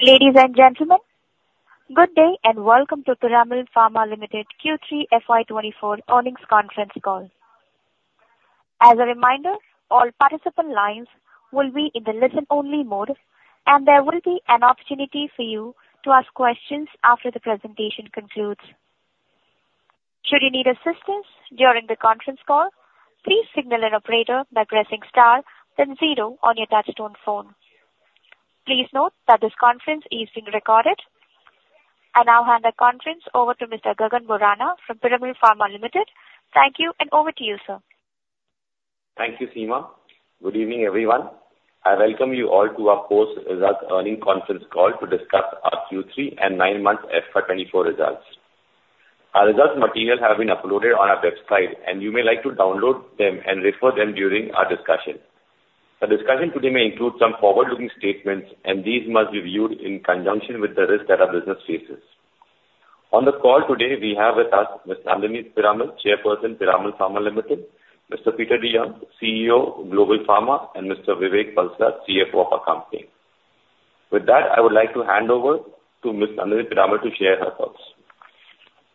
Ladies and gentlemen, good day, and welcome to Piramal Pharma Limited Q3 FY 2024 earnings conference call. As a reminder, all participant lines will be in the listen-only mode, and there will be an opportunity for you to ask questions after the presentation concludes. Should you need assistance during the conference call, please signal an operator by pressing star then zero on your touchtone phone. Please note that this conference is being recorded. I now hand the conference over to Mr. Gagan Borana from Piramal Pharma Limited. Thank you, and over to you, sir. Thank you, Seema. Good evening, everyone. I welcome you all to our post-results earnings conference call to discuss our Q3 and 9-month FY 2024 results. Our results material have been uploaded on our website, and you may like to download them and refer them during our discussion. The discussion today may include some forward-looking statements, and these must be viewed in conjunction with the risks that our business faces. On the call today, we have with us Ms. Nandini Piramal, Chairperson, Piramal Pharma Limited; Mr. Peter DeYoung, CEO, Global Pharma; and Mr. Vivek Valsaraj, CFO of our company. With that, I would like to hand over to Ms. Nandini Piramal to share her thoughts.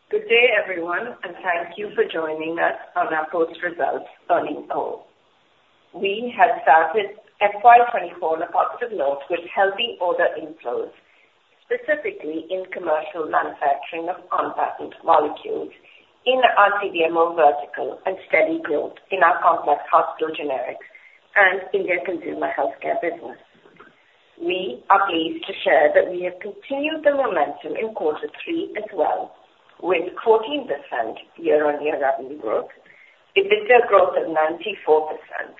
Good day, everyone, and thank you for joining us on our post-results earning call. We had started FY 2024 on a positive note with healthy order inflows, specifically in commercial manufacturing of on-patent molecules in our CDMO vertical and steady growth in our complex hospital generics and India consumer healthcare business. We are pleased to share that we have continued the momentum in quarter three as well, with 14% year-on-year revenue growth, EBITDA growth of 94%,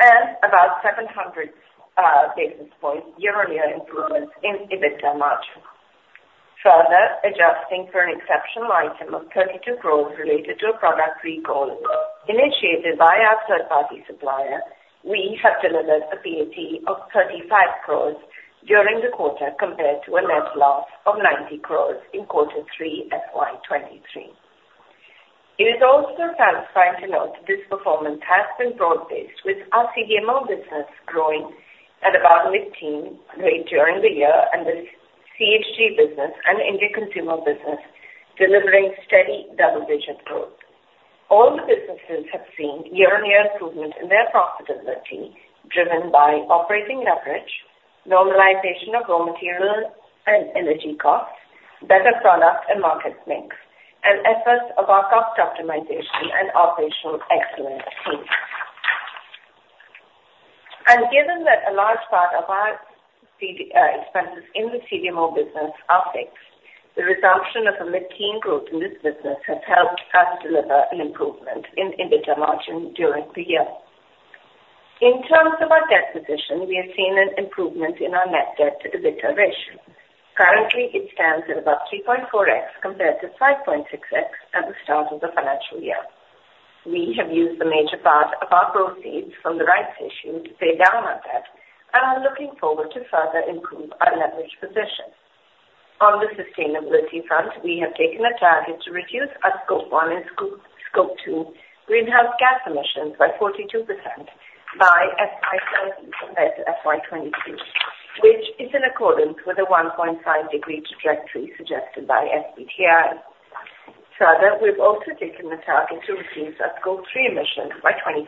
and about 700 basis point year-on-year improvement in EBITDA margin. Further, adjusting for an exceptional item of 32 crore related to a product recall initiated by our third-party supplier, we have delivered a PAT of 35 crore during the quarter, compared to a net loss of 90 crore in quarter three FY 2023. It is also satisfying to note this performance has been broad-based, with our CDMO business growing at about mid-teen rate during the year, and the CHG business and India consumer business delivering steady double-digit growth. All the businesses have seen year-on-year improvement in their profitability, driven by operating leverage, normalization of raw material and energy costs, better product and market mix, and efforts of our cost optimization and operational excellence teams. Given that a large part of our CDMO expenses in the CDMO business are fixed, the reduction of a mid-teen growth in this business has helped us deliver an improvement in EBITDA margin during the year. In terms of our debt position, we have seen an improvement in our net debt-to-EBITDA ratio. Currently, it stands at about 3.4x, compared to 5.6x at the start of the financial year. We have used the major part of our proceeds from the rights issue to pay down our debt and are looking forward to further improve our leverage position. On the sustainability front, we have taken a target to reduce our scope one and scope two greenhouse gas emissions by 42% by FY 2030, compared to FY 2022, which is in accordance with the 1.5-degree trajectory suggested by SBTi. Further, we've also taken the target to reduce our scope three emissions by 25%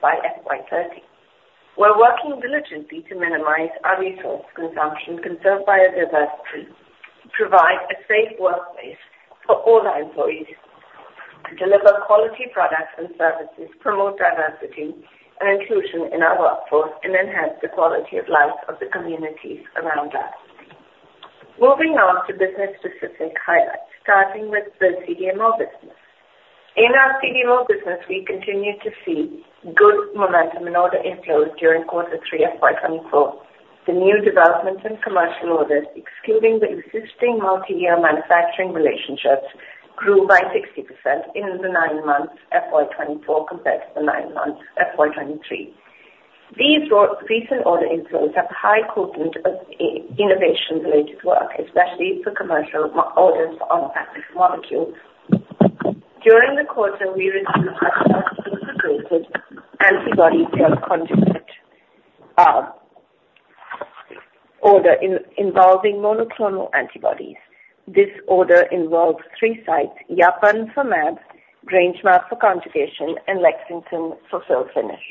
by FY 2030. We're working diligently to minimize our resource consumption, conserve biodiversity, provide a safe workplace for all our employees, to deliver quality products and services, promote diversity and inclusion in our workforce, and enhance the quality of life of the communities around us. Moving on to business-specific highlights, starting with the CDMO business. In our CDMO business, we continue to see good momentum and order inflows during quarter three of FY 2024. The new developments in commercial orders, excluding the existing multi-year manufacturing relationships, grew by 60% in the nine months FY 2024 compared to the nine months FY 2023. These recent order inflows have a high quotient of innovation related work, especially for commercial orders for on-patent molecules. During the quarter, we received a multi-source antibody drug conjugate order involving monoclonal antibodies. This order involves three sites, Yapan for mAb, Grangemouth for conjugation, and Lexington for fill finish.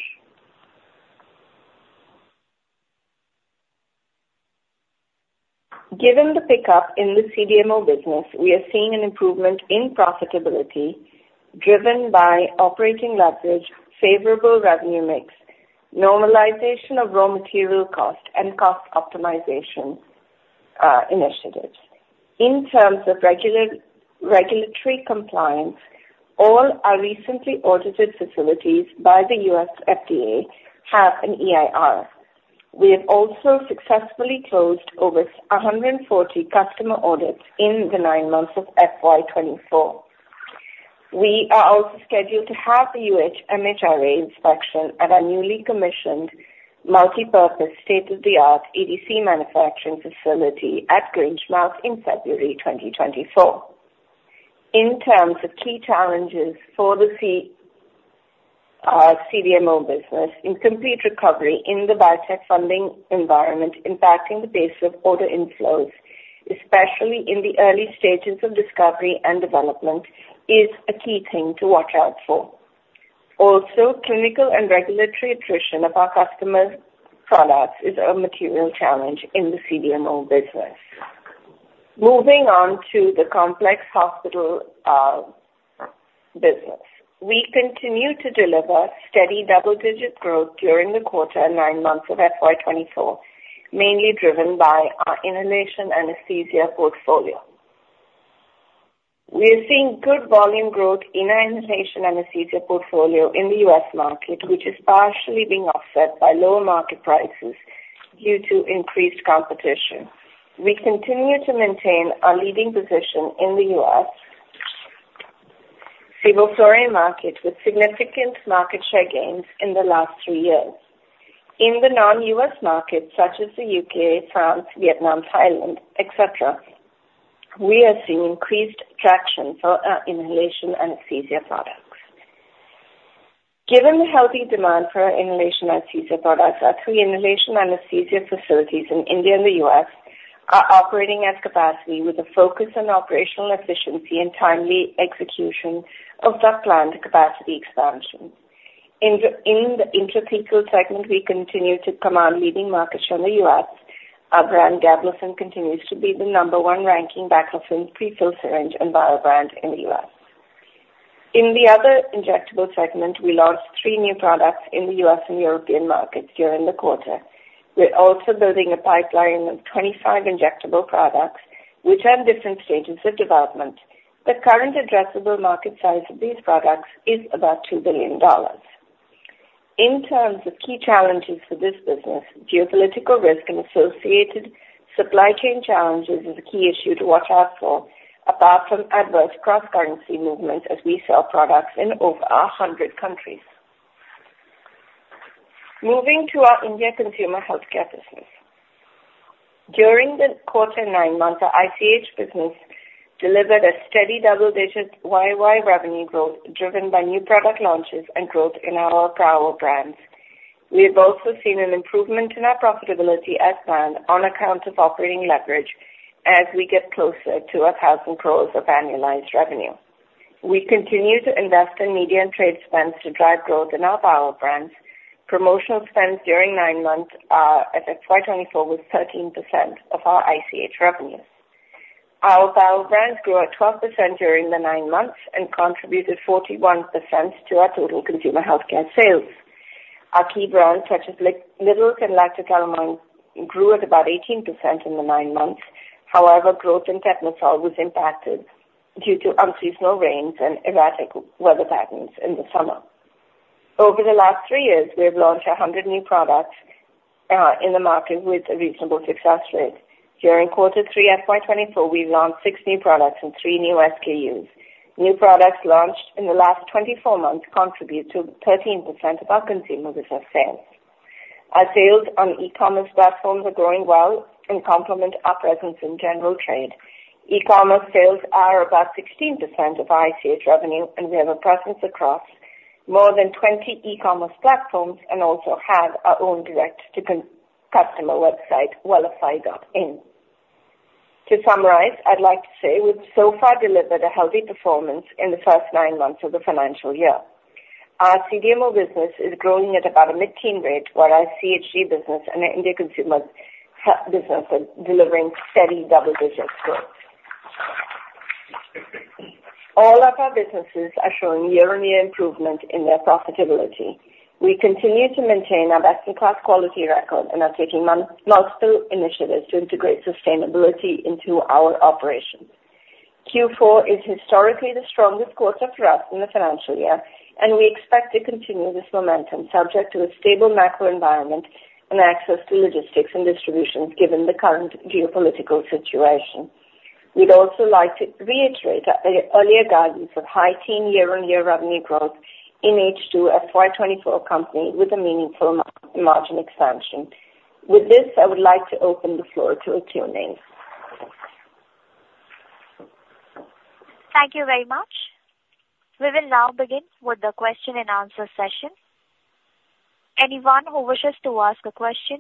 Given the pickup in the CDMO business, we are seeing an improvement in profitability driven by operating leverage, favorable revenue mix, normalization of raw material cost, and cost optimization initiatives. In terms of regulatory compliance, all our recently audited facilities by the U.S. FDA have an EIR. We have also successfully closed over 140 customer audits in the nine months of FY 2024. We are also scheduled to have a MHRA inspection at our newly commissioned multipurpose state-of-the-art ADC manufacturing facility at Grangemouth in February 2024. In terms of key challenges for our CDMO business, incomplete recovery in the biotech funding environment impacting the pace of order inflows, especially in the early stages of discovery and development, is a key thing to watch out for. Also, clinical and regulatory attrition of our customers' products is a material challenge in the CDMO business. Moving on to the complex hospital business. We continue to deliver steady double-digit growth during the quarter and nine months of FY 2024, mainly driven by our inhalation anesthesia portfolio. We are seeing good volume growth in our Inhalation Anesthesia portfolio in the U.S. market, which is partially being offset by lower market prices due to increased competition. We continue to maintain our leading position in the U.S. Sevoflurane market, with significant market share gains in the last three years. In the non-U.S. markets, such as the U.K., France, Vietnam, Thailand, et cetera, we are seeing increased traction for our Inhalation Anesthesia products. Given the healthy demand for our Inhalation Anesthesia products, our three Inhalation Anesthesia facilities in India and the U.S. are operating at capacity, with a focus on operational efficiency and timely execution of the planned capacity expansion. In the intrathecal segment, we continue to command leading market share in the U.S. Our brand Gablofen continues to be the number one ranking baclofen prefilled syringe and brand in the U.S. In the other injectable segment, we launched three new products in the U.S. and European markets during the quarter. We're also building a pipeline of 25 injectable products, which are in different stages of development. The current addressable market size of these products is about $2 billion. In terms of key challenges for this business, geopolitical risk and associated supply chain challenges is a key issue to watch out for, apart from adverse cross-currency movements as we sell products in over 100 countries. Moving to our India consumer healthcare business. During the quarter, nine months, our ICH business delivered a steady double-digit YoY revenue growth, driven by new product launches and growth in our power brands. We have also seen an improvement in our profitability as planned on account of operating leverage as we get closer to 1,000 crore of annualized revenue. We continue to invest in media and trade spends to drive growth in our Power Brands. Promotional spends during 9 months at FY 2024 was 13% of our ICH revenues. Our Power Brands grew at 12% during the nine months and contributed 41% to our total consumer healthcare sales. Our key brands, such as Little's and Lacto Calamine, grew at about 18% in the nine months. However, growth in Tetmosol was impacted due to unseasonal rains and erratic weather patterns in the summer. Over the last three years, we have launched 100 new products in the market with a reasonable success rate. During quarter three, FY 2024, we've launched 6 new products and 3 new SKUs. New products launched in the last 24 months contribute to 13% of our consumer business sales. Our sales on e-commerce platforms are growing well and complement our presence in general trade. E-commerce sales are about 16% of our ICH revenue, and we have a presence across more than 20 e-commerce platforms and also have our own direct-to-consumer website, wellofy.in. To summarize, I'd like to say we've so far delivered a healthy performance in the first nine months of the financial year. Our CDMO business is growing at about a mid-teen rate, while our CHG business and our India Consumer Healthcare business are delivering steady double-digit growth. All of our businesses are showing year-on-year improvement in their profitability. We continue to maintain our best-in-class quality record, and are taking multiple initiatives to integrate sustainability into our operations. Q4 is historically the strongest quarter for us in the financial year, and we expect to continue this momentum, subject to a stable macro environment and access to logistics and distributions given the current geopolitical situation. We'd also like to reiterate our earlier guidance of high-teens year-over-year revenue growth in H2 FY 2024, accompanied with a meaningful margin expansion. With this, I would like to open the floor to a Q&A. Thank you very much. We will now begin with the question-and-answer session. Anyone who wishes to ask a question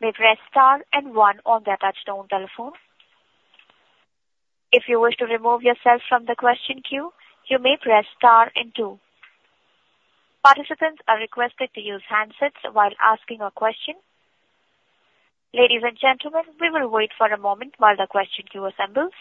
may press star and one on their touchtone telephone. If you wish to remove yourself from the question queue, you may press star and two. Participants are requested to use handsets while asking a question. Ladies and gentlemen, we will wait for a moment while the question queue assembles.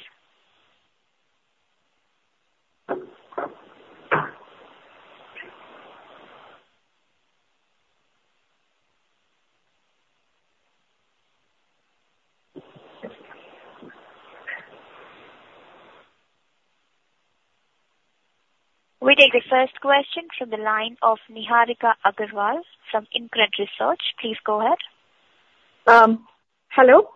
We take the first question from the line of Niharika Agarwal from InCred Research. Please go ahead. Hello.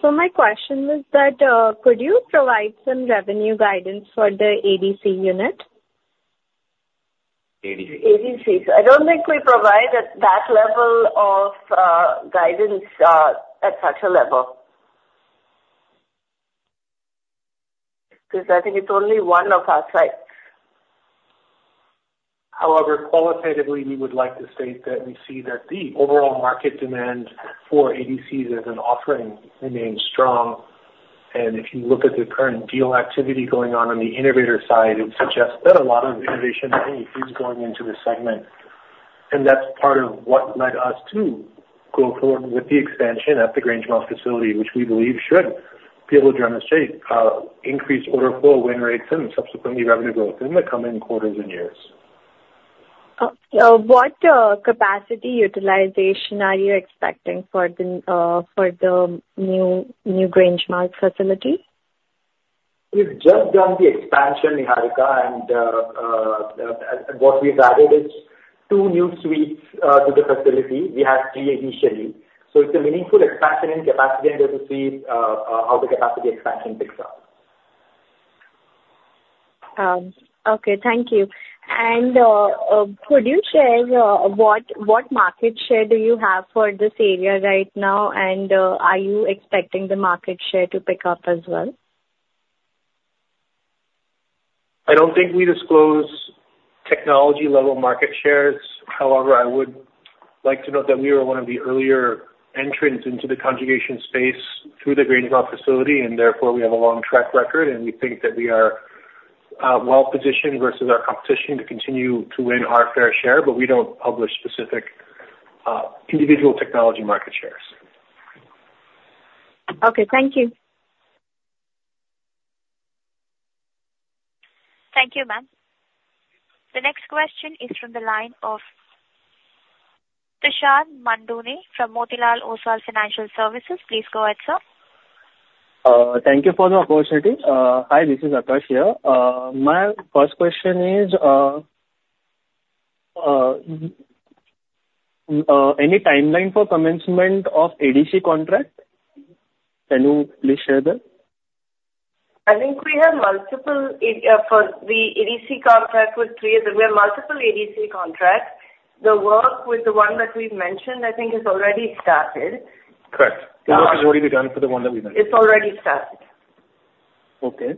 So my question is that, could you provide some revenue guidance for the ADC unit? ADC. ADC. I don't think we provide at that level of guidance at such a level.... 'cause I think it's only one of our sites. However, qualitatively, we would like to state that we see that the overall market demand for ADCs as an offering remains strong. If you look at the current deal activity going on on the innovator side, it suggests that a lot of innovation money is going into this segment. That's part of what led us to go forward with the expansion at the Grangemouth facility, which we believe should be able to demonstrate increased order flow, win rates and subsequently, revenue growth in the coming quarters and years. What capacity utilization are you expecting for the new Grangemouth facility? We've just done the expansion, Niharika, and what we've added is two new suites to the facility. We had three initially. So it's a meaningful expansion in capacity, and we'll see how the capacity expansion picks up. Okay. Thank you. And, could you share what market share do you have for this area right now? And, are you expecting the market share to pick up as well? I don't think we disclose technology-level market shares. However, I would like to note that we were one of the earlier entrants into the conjugation space through the Grangemouth facility, and therefore, we have a long track record, and we think that we are, well positioned versus our competition to continue to win our fair share, but we don't publish specific, individual technology market shares. Okay, thank you. Thank you, ma'am. The next question is from the line of Tushar Manudhane from Motilal Oswal Financial Services. Please go ahead, sir. Thank you for the opportunity. Hi, this is Akash here. My first question is, any timeline for commencement of ADC contract? Can you please share that? I think we have multiple ADC contracts. The work with the one that we've mentioned, I think, has already started. Correct. The work has already begun for the one that we mentioned. It's already started. Okay.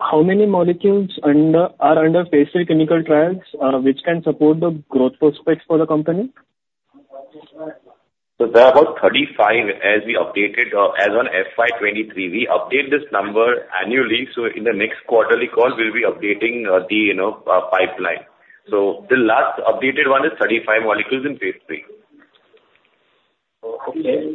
How many molecules are under phase III clinical trials, which can support the growth prospects for the company? So there are about 35 as we updated, as on FY 2023. We update this number annually, so in the next quarterly call, we'll be updating the, you know, pipeline. So the last updated one is 35 molecules in phase III. Okay.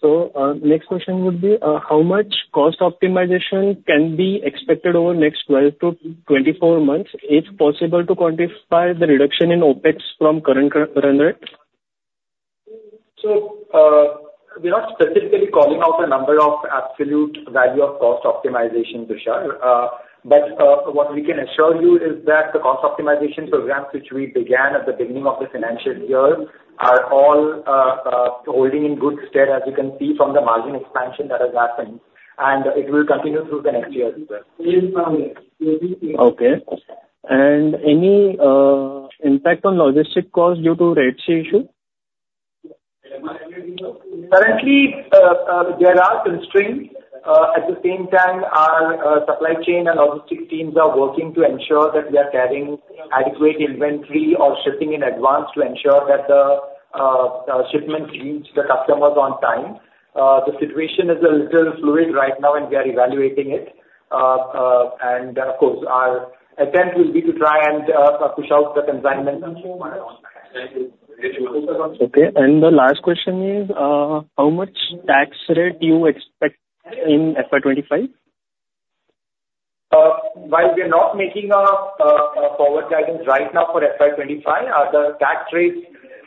So, next question would be, how much cost optimization can be expected over the next 12-24 months? It's possible to quantify the reduction in OpEx from current rate? So, we're not specifically calling out a number of absolute value of cost optimization, Tushar. But, what we can assure you is that the cost optimization programs, which we began at the beginning of the financial year, are all holding in good stead, as you can see from the margin expansion that has happened, and it will continue through the next year as well. Okay. Any impact on logistics costs due to Red Sea issue? Currently, there are constraints. At the same time, our supply chain and logistics teams are working to ensure that we are carrying adequate inventory or shipping in advance to ensure that the shipments reach the customers on time. The situation is a little fluid right now, and we are evaluating it. Of course, our attempt will be to try and push out the consignment. Okay. And the last question is, how much tax rate do you expect in FY 2025? While we are not making a forward guidance right now for FY 2025, the tax rates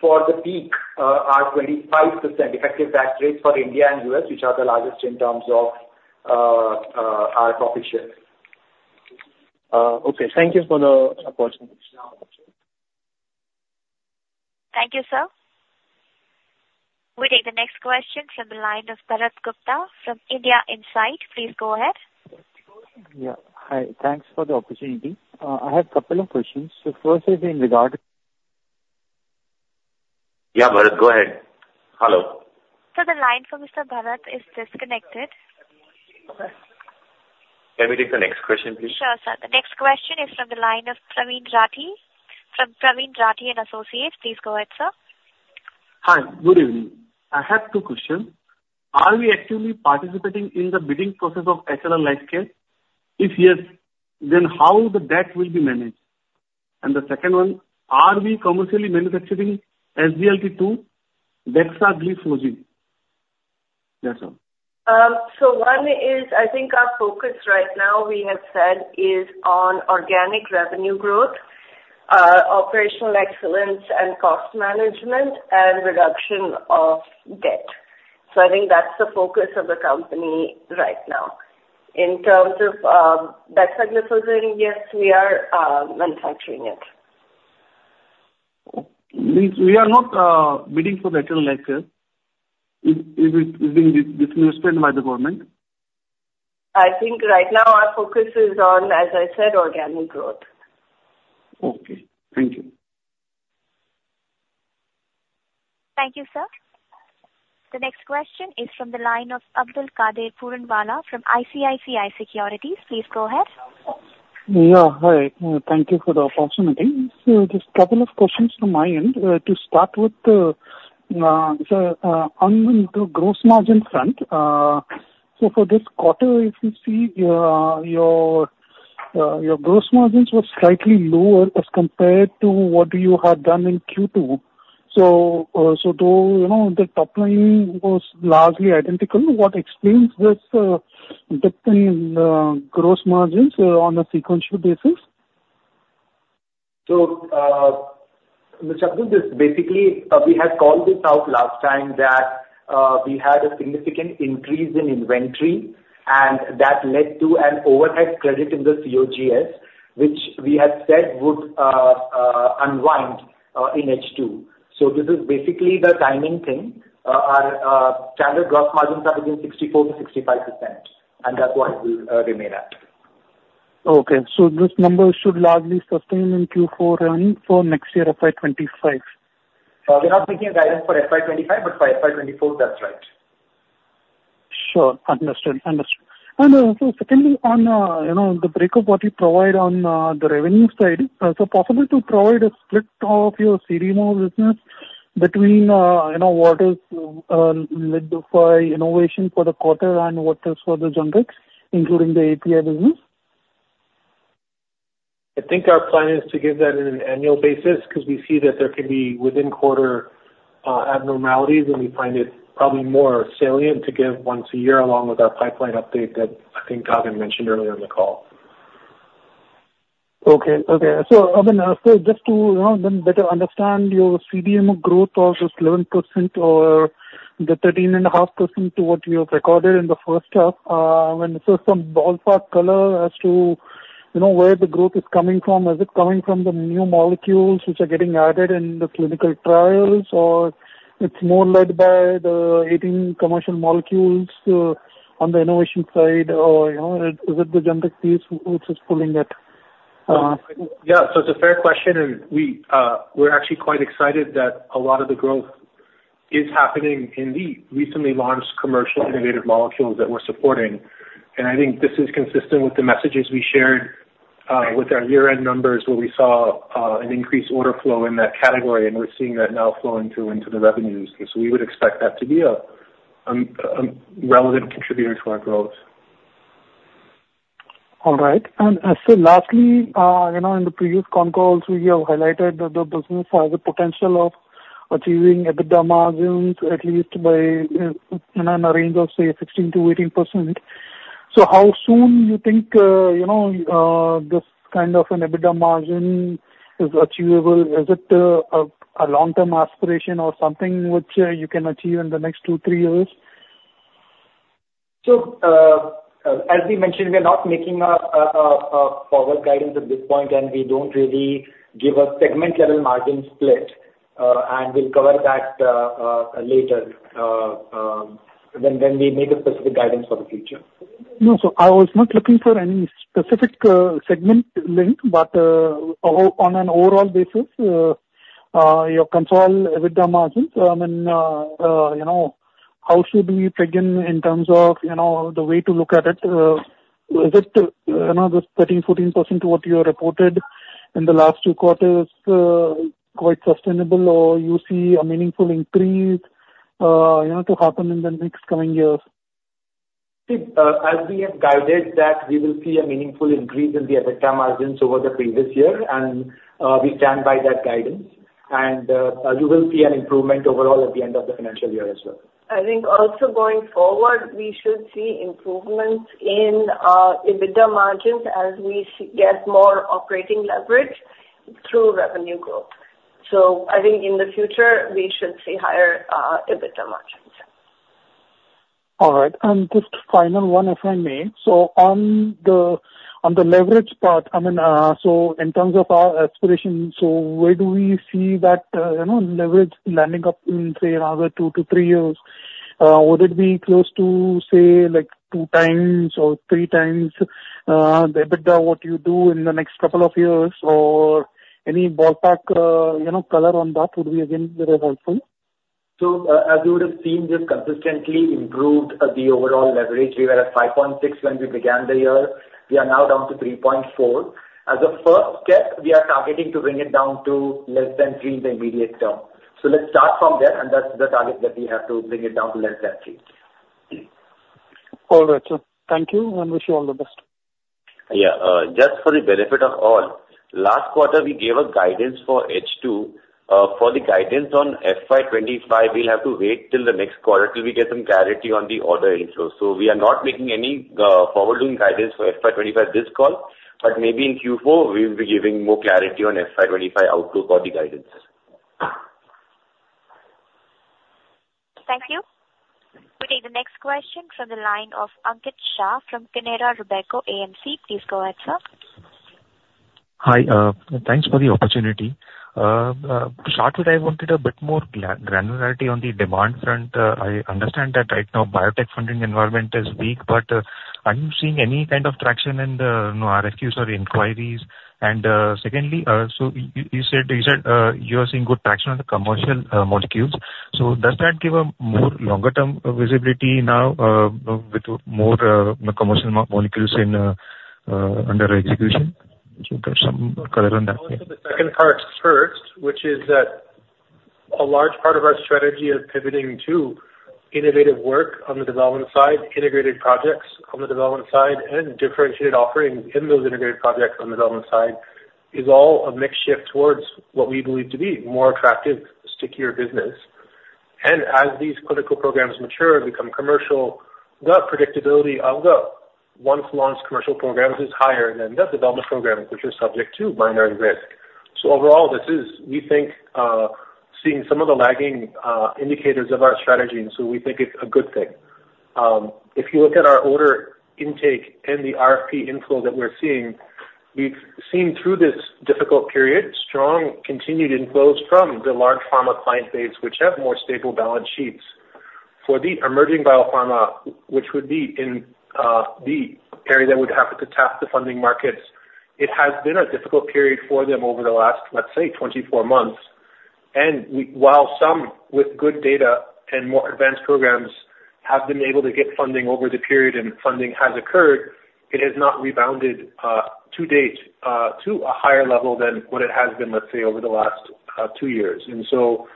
for the peak are 25%, effective tax rates for India and U.S., which are the largest in terms of our profit share. Okay. Thank you for the opportunity. Thank you, sir. We take the next question from the line of Bharat Gupta from India Insight. Please go ahead. Yeah. Hi, thanks for the opportunity. I have a couple of questions. The first is in regard- Yeah, Bharat, go ahead. Hello? Sir, the line for Mr. Bharat is disconnected. Can we take the next question, please? Sure, sir. The next question is from the line of Praveen Rathi, from Praveen Rathi and Associates. Please go ahead, sir. Hi, good evening. I have two questions. Are we actively participating in the bidding process of HLL Lifecare? If yes, then how the debt will be managed? And the second one: Are we commercially manufacturing SGLT-2 Dapagliflozin? Yes, sir. So one is, I think our focus right now, we have said, is on organic revenue growth, operational excellence and cost management, and reduction of debt. So I think that's the focus of the company right now. In terms of, Dapagliflozin, yes, we are, manufacturing it. We are not bidding for the HLL Lifecare. Is it being discontinued by the government? I think right now our focus is on, as I said, organic growth. Okay, thank you. Thank you, sir. The next question is from the line of Abdulkader Puranwala from ICICI Securities. Please go ahead. Yeah, hi. Thank you for the opportunity. So just couple of questions from my end. To start with, on the gross margin front, so for this quarter, if you see, your gross margins were slightly lower as compared to what you had done in Q2. So though, you know, the top line was largely identical, what explains this dip in gross margins on a sequential basis? So, Mr. Abdul, this basically, we had called this out last time that, we had a significant increase in inventory, and that led to an overhead credit in the COGS, which we had said would, unwind, in H2. So this is basically the timing thing. Our standard gross margins are between 64%-65%, and that's what we remain at. Okay, so this number should largely sustain in Q4 and for next year, FY 2025? We're not making a guidance for FY 2025, but for FY 2024, that's right. Sure. Understood. Understood. And, so secondly, on, you know, the breakup what you provide on, the revenue side, so possible to provide a split of your CDMO business between, you know, what is, led by innovation for the quarter and what is for the generics, including the API business? I think our plan is to give that in an annual basis, 'cause we see that there can be within quarter, abnormalities, and we find it probably more salient to give once a year, along with our pipeline update that I think Gagan mentioned earlier in the call. Okay. Okay. So, I mean, so just to, you know, then better understand your CDMO growth of just 11% or the 13.5% to what you have recorded in the first half, when so some ballpark color as to, you know, where the growth is coming from. Is it coming from the new molecules which are getting added in the clinical trials, or it's more led by the 18 commercial molecules, on the innovation side, or, you know, is it the generic piece which is pulling it? Yeah. So it's a fair question, and we, we're actually quite excited that a lot of the growth is happening in the recently launched commercial innovative molecules that we're supporting. And I think this is consistent with the messages we shared with our year-end numbers, where we saw an increased order flow in that category, and we're seeing that now flowing through into the revenues. So we would expect that to be a relevant contributor to our growth. All right. And so lastly, you know, in the previous concalls, we have highlighted the business for the potential of achieving EBITDA margins, at least by, in a range of, say, 16%-18%. So how soon you think, you know, this kind of an EBITDA margin is achievable? Is it a long-term aspiration or something which you can achieve in the next 2-3-years? So, as we mentioned, we are not making a forward guidance at this point, and we don't really give a segment-level margin split, and we'll cover that later when we make a specific guidance for the future. No. So I was not looking for any specific, segment link, but, on an overall basis, your consolidated EBITDA margins, I mean, you know, how should we peg in, in terms of, you know, the way to look at it? Is it, you know, this 13%-14% to what you have reported in the last two quarters, quite sustainable, or you see a meaningful increase, you know, to happen in the next coming years? As we have guided that we will see a meaningful increase in the EBITDA margins over the previous year, and we stand by that guidance, and you will see an improvement overall at the end of the financial year as well. I think also going forward, we should see improvements in EBITDA margins as we get more operating leverage through revenue growth. So I think in the future, we should see higher EBITDA margins. All right. Just final one, if I may. On the leverage part, I mean, so in terms of our aspiration, where do we see that, you know, leverage landing up in, say, another 2-3 years? Would it be close to, say, like, 2x or 3x the EBITDA, what you do in the next couple of years or any ballpark, you know, color on that would be again, very helpful. As you would have seen, we've consistently improved the overall leverage. We were at 5.6 when we began the year. We are now down to 3.4. As a first step, we are targeting to bring it down to less than 3 in the immediate term. Let's start from there, and that's the target that we have, to bring it down to less than three. All right, sir. Thank you, and wish you all the best. Yeah, just for the benefit of all, last quarter, we gave a guidance for H2. For the guidance on FY 2025, we'll have to wait till the next quarter till we get some clarity on the order inflows. So we are not making any forward-looking guidance for FY 2025 this call, but maybe in Q4, we will be giving more clarity on FY 2025 outlook for the guidance. Thank you. We'll take the next question from the line of Ankit Shah from Canara Robeco AMC. Please go ahead, sir. ... Hi, thanks for the opportunity. To start with, I wanted a bit more granularity on the demand front. I understand that right now, biotech funding environment is weak, but are you seeing any kind of traction in the, you know, RFQs or inquiries? And secondly, so you said, you said you are seeing good traction on the commercial molecules. So does that give a more longer-term visibility now with more commercial molecules under execution? So there's some color on that. I'll answer the second part first, which is that a large part of our strategy is pivoting to innovative work on the development side, integrated projects on the development side, and differentiated offerings in those integrated projects on the development side, is all a mixed shift towards what we believe to be more attractive, stickier business. And as these clinical programs mature and become commercial, the predictability of the once launched commercial programs is higher than the development programs, which are subject to binary risk. So overall, this is, we think, seeing some of the lagging indicators of our strategy, and so we think it's a good thing. If you look at our order intake and the RFP inflow that we're seeing, we've seen through this difficult period, strong continued inflows from the large pharma client base, which have more stable balance sheets. For the emerging biopharma, which would be in the area that would have to tap the funding markets, it has been a difficult period for them over the last, let's say, 24 months. While some with good data and more advanced programs have been able to get funding over the period and funding has occurred, it has not rebounded to date to a higher level than what it has been, let's say, over the last 2 years. And so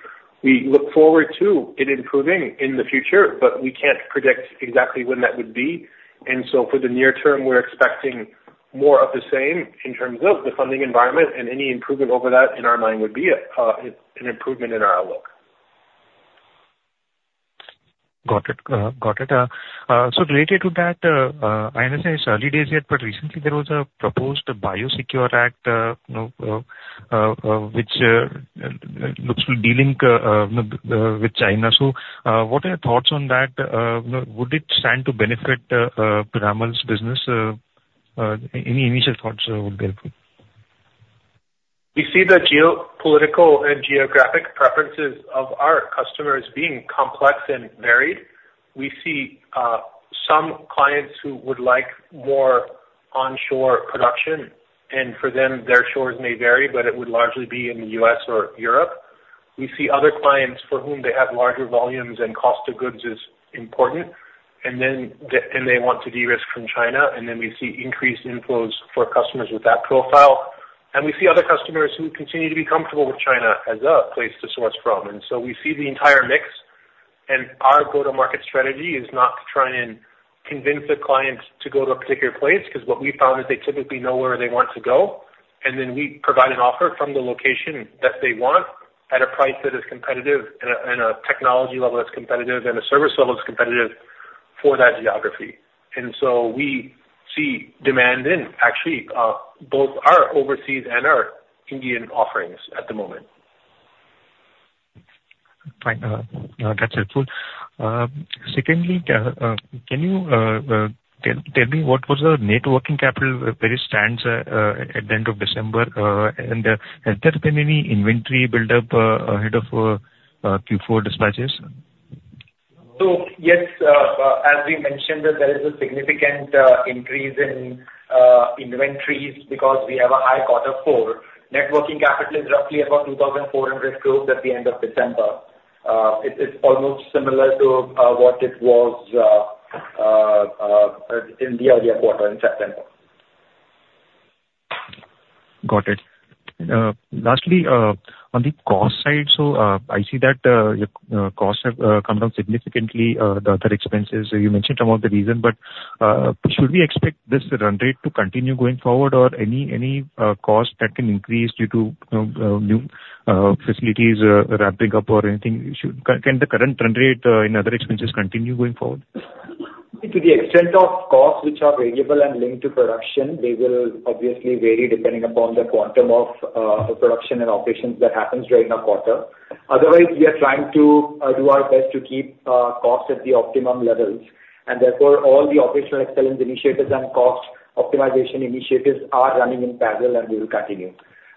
we look forward to it improving in the future, but we can't predict exactly when that would be. And so for the near term, we're expecting more of the same in terms of the funding environment, and any improvement over that in our mind would be a an improvement in our outlook. Got it. Got it. So related to that, I understand it's early days yet, but recently there was a proposed BIOSECURE Act, you know, which looks to delink with China. So, what are your thoughts on that? You know, would it stand to benefit Piramal's business? Any initial thoughts would be helpful. We see the geopolitical and geographic preferences of our customers being complex and varied. We see some clients who would like more onshore production, and for them, their shores may vary, but it would largely be in the U.S. or Europe. We see other clients for whom they have larger volumes and cost of goods is important, and they want to de-risk from China, and then we see increased inflows for customers with that profile. And we see other customers who continue to be comfortable with China as a place to source from. And so we see the entire mix, and our go-to-market strategy is not to try and convince the clients to go to a particular place, because what we found is they typically know where they want to go, and then we provide an offer from the location that they want at a price that is competitive and a technology level that's competitive, and a service level that's competitive for that geography. And so we see demand in actually both our overseas and our Indian offerings at the moment. Fine. That's helpful. Secondly, can you tell me what was the net working capital, where it stands at the end of December, and has there been any inventory build-up ahead of Q4 dispatches? So yes, as we mentioned, that there is a significant increase in inventories because we have a high quarter four. Net working capital is roughly about 2,400 crore at the end of December. It is almost similar to what it was in the earlier quarter, in September. Got it. Lastly, on the cost side, so, I see that your costs have come down significantly, the other expenses. You mentioned some of the reason, but, should we expect this run rate to continue going forward or any, any, cost that can increase due to, new, facilities, ramping up or anything? Should... Can, can the current run rate, in other expenses continue going forward? To the extent of costs which are variable and linked to production, they will obviously vary depending upon the quantum of production and operations that happens during the quarter. Otherwise, we are trying to do our best to keep costs at the optimum levels, and therefore, all the operational excellence initiatives and cost optimization initiatives are running in parallel, and we will continue.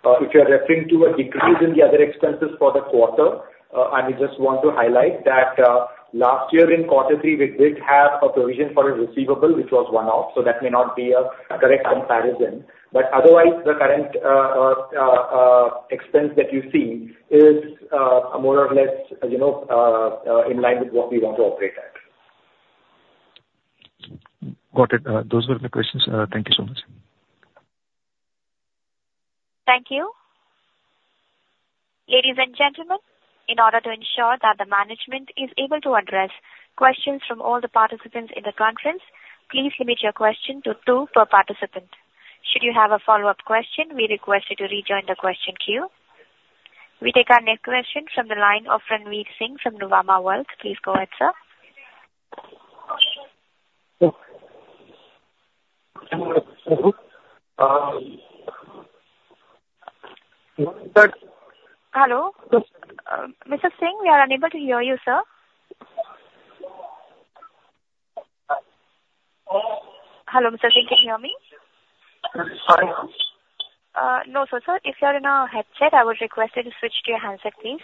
If you are referring to a decrease in the other expenses for the quarter, I would just want to highlight that last year in quarter three, we did have a provision for a receivable, which was one-off, so that may not be a correct comparison. But otherwise, the current expense that you see is more or less, you know, in line with what we want to operate at. Got it. Those were the questions. Thank you so much. Thank you. Ladies and gentlemen, in order to ensure that the management is able to address questions from all the participants in the conference, please limit your question to two per participant. Should you have a follow-up question, we request you to rejoin the question queue. We take our next question from the line of Ranveer Singh from Nuvama Wealth. Please go ahead, sir. Um, hello? Hello, Mr. Singh, we are unable to hear you, sir. Hello, Mr. Singh, can you hear me? Sorry. No, so sir, if you are in a headset, I would request you to switch to your handset, please.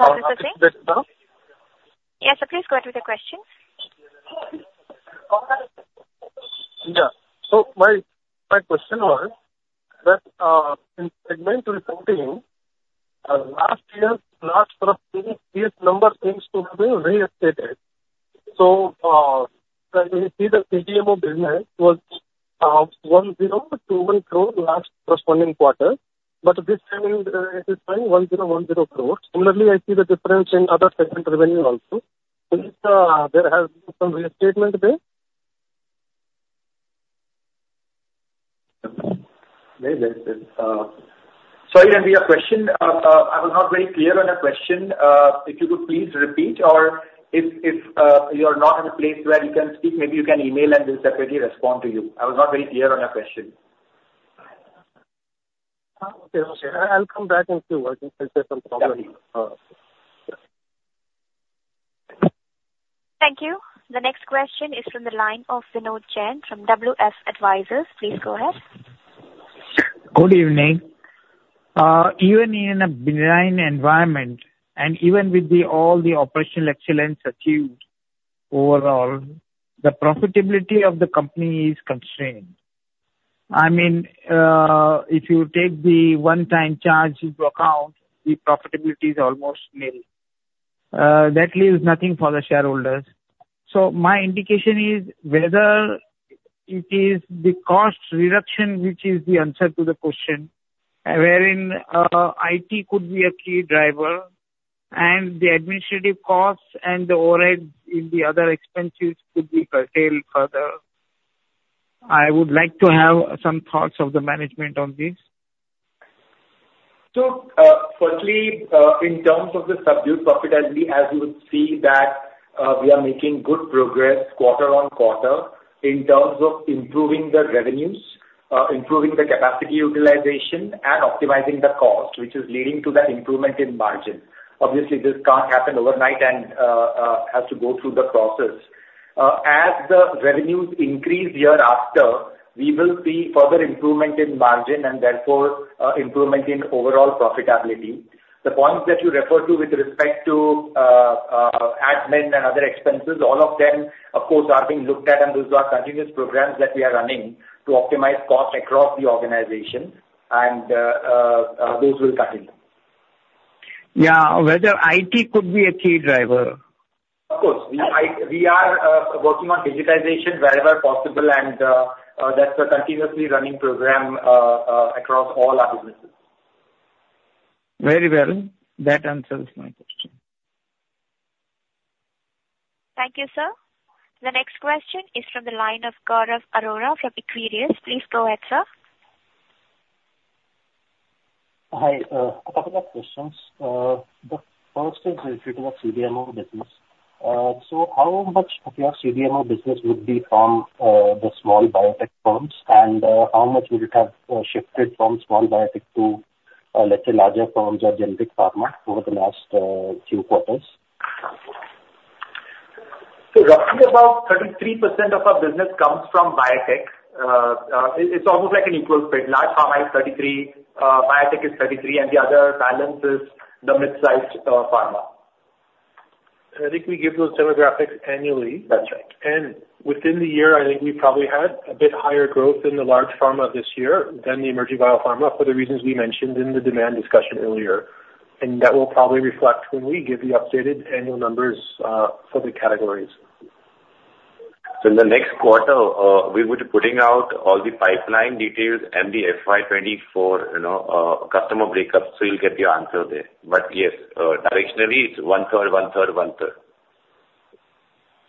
Sir, Mr. Singh? Yes, madam. Yeah, sir, please go ahead with your question. Yeah. So my, my question was that, in segment 2017, last year, last corresponding, these numbers seems to have been restated. So, when we see the CDMO business was, 1,021 crore last corresponding quarter, but this time, it is 1,010 crores. Similarly, I see the difference in other segment revenue also. So is, there has been some restatement there? Sorry, repeat your question. I was not very clear on your question. If you could please repeat or if you are not in a place where you can speak, maybe you can email and we'll separately respond to you. I was not very clear on your question. Okay, okay. I'll, I'll come back into work. I think there's some problem. Thank you. The next question is from the line of Vinod Jain from WF Advisors. Please go ahead. Good evening. Even in a benign environment, and even with all the operational excellence achieved overall, the profitability of the company is constrained. I mean, if you take the one-time charge into account, the profitability is almost nil. That leaves nothing for the shareholders. So my indication is whether it is the cost reduction which is the answer to the question, wherein IT could be a key driver, and the administrative costs and the overhead in the other expenses could be curtailed further. I would like to have some thoughts of the management on this. So, firstly, in terms of the subdued profitability, as you would see that, we are making good progress quarter on quarter in terms of improving the revenues, improving the capacity utilization and optimizing the cost, which is leading to that improvement in margin. Obviously, this can't happen overnight and has to go through the process. As the revenues increase hereafter, we will see further improvement in margin and therefore, improvement in overall profitability. The points that you referred to with respect to admin and other expenses, all of them, of course, are being looked at, and those are continuous programs that we are running to optimize costs across the organization, and those will continue. Yeah, whether IT could be a key driver? Of course. We, I, we are working on digitization wherever possible, and, that's a continuously running program, across all our businesses. Very well. That answers my question. Thank you, sir. The next question is from the line of Gaurav Arora from Equirus. Please go ahead, sir. Hi, a couple of questions. The first is related to the CDMO business. So how much of your CDMO business would be from the small biotech firms? And how much would it have shifted from small biotech to, let's say, larger firms or generic pharma over the last few quarters? So roughly about 33% of our business comes from biotech. It's almost like an equal split. Large pharma is 33, biotech is 33, and the other balance is the mid-sized pharma. I think we give those demographics annually. That's right. Within the year, I think we probably had a bit higher growth in the large pharma this year than the emerging biopharma, for the reasons we mentioned in the demand discussion earlier. That will probably reflect when we give the updated annual numbers, for the categories. In the next quarter, we'll be putting out all the pipeline details and the FY 2024, you know, customer breakups, so you'll get the answer there. But yes, directionally, it's one third, one third, one third.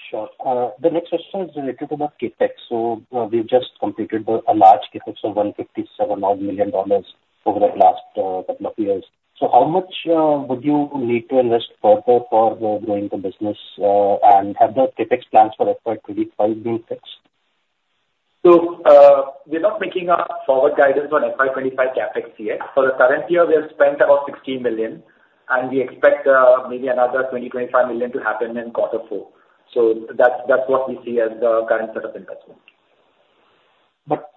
Sure. The next question is related to the CapEx. So, we've just completed a large CapEx of $157 odd million over the last couple of years. So how much would you need to invest further for growing the business? And have the CapEx plans for FY 2025 been fixed? So, we're not making a forward guidance on FY 2025 CapEx yet. For the current year, we have spent about 16 million, and we expect, maybe another 20-25 million to happen in quarter four. So that's, that's what we see as the current set of investment.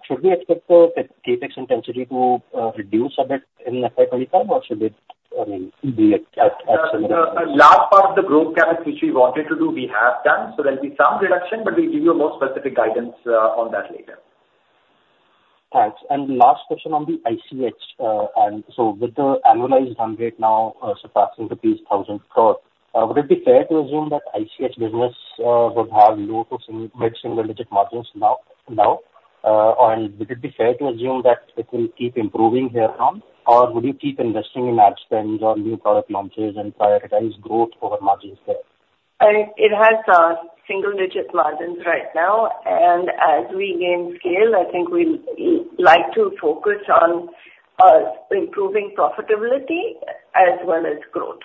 Should we expect the CapEx intensity to reduce a bit in FY 2025, or should it, I mean, be at- The last part of the growth CapEx which we wanted to do, we have done, so there'll be some reduction, but we'll give you a more specific guidance, on that later. Thanks. Last question on the ICH. And so with the annualized run rate now surpassing the 1,000 crore, would it be fair to assume that ICH business would have low- to mid-single-digit margins now, now? Or would it be fair to assume that it will keep improving herein, or would you keep investing in ad spends or new product launches and prioritize growth over margins there? It has single-digit margins right now, and as we gain scale, I think we'll like to focus on improving profitability as well as growth.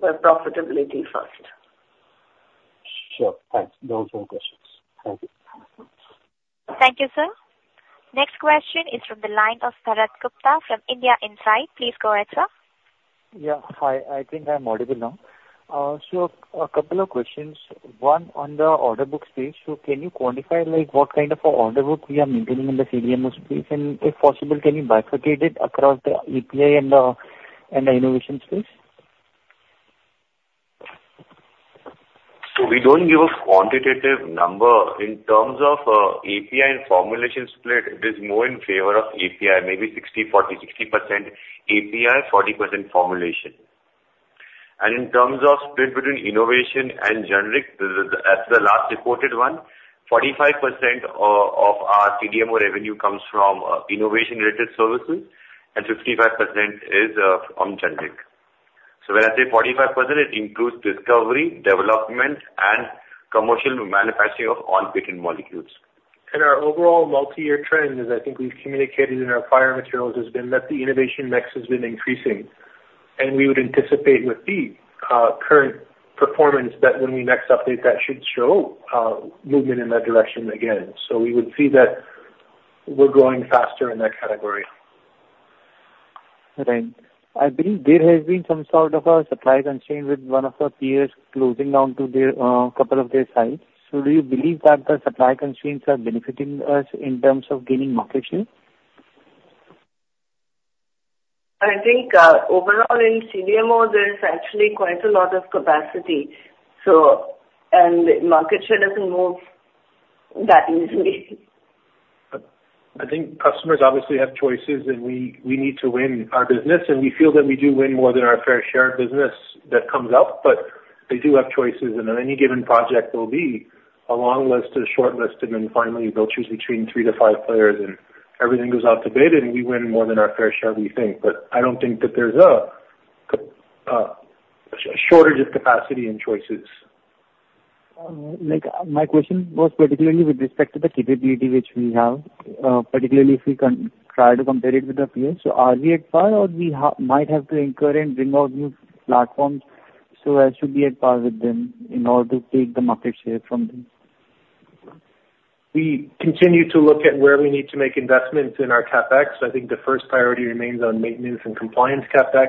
But profitability first.... Sure, thanks. Those were the questions. Thank you. Thank you, sir. Next question is from the line of Bharat Gupta from India Inside. Please go ahead, sir. Yeah. Hi, I think I'm audible now. So a couple of questions. One, on the order book space, so can you quantify, like, what kind of order book we are maintaining in the CDMO space? And if possible, can you bifurcate it across the API and the innovation space? So we don't give a quantitative number. In terms of, API and formulation split, it is more in favor of API, maybe 60/40, 60% API, 40% formulation. And in terms of split between innovation and generic, the, as the last reported one, 45% of our CDMO revenue comes from innovation-related services, and 55% is from generic. So when I say 45%, it includes discovery, development, and commercial manufacturing of all patent molecules. Our overall multi-year trend, as I think we've communicated in our prior materials, has been that the innovation mix has been increasing. We would anticipate with the current performance, that when we next update, that should show movement in that direction again. We would see that we're growing faster in that category. Right. I believe there has been some sort of a supply constraint with one of our peers closing down two of their sites. So do you believe that the supply constraints are benefiting us in terms of gaining market share? I think, overall in CDMO, there is actually quite a lot of capacity, so... and market share doesn't move that easily. I think customers obviously have choices, and we, we need to win our business, and we feel that we do win more than our fair share of business that comes up. But they do have choices, and on any given project, there'll be a long list, a short list, and then finally, they'll choose between three to five players, and everything goes out to bid, and we win more than our fair share, we think. But I don't think that there's a shortage of capacity and choices. Like, my question was particularly with respect to the capability which we have, particularly if we try to compare it with our peers. So are we at par, or we might have to incur and bring on new platforms so as to be at par with them in order to take the market share from them? We continue to look at where we need to make investments in our CapEx. I think the first priority remains on maintenance and compliance CapEx,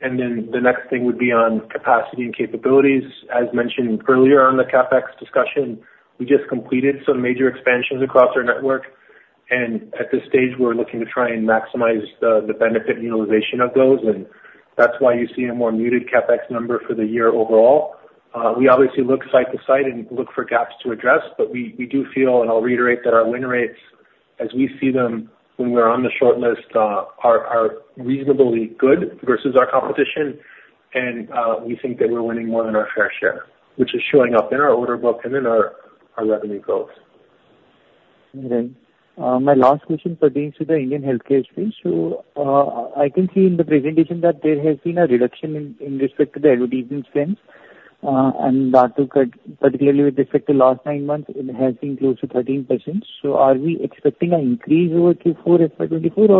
and then the next thing would be on capacity and capabilities. As mentioned earlier on the CapEx discussion, we just completed some major expansions across our network, and at this stage, we're looking to try and maximize the benefit and utilization of those, and that's why you see a more muted CapEx number for the year overall. We obviously look site to site and look for gaps to address, but we do feel, and I'll reiterate, that our win rates, as we see them when we're on the shortlist, are reasonably good versus our competition. We think that we're winning more than our fair share, which is showing up in our order book and in our revenue growth. Right. My last question pertains to the Indian healthcare space. So, I can see in the presentation that there has been a reduction in respect to the advertising spend, and that, particularly with respect to last nine months, it has been close to 13%. So are we expecting an increase over Q4, FY 2024,